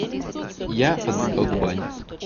Я подбегал к бане.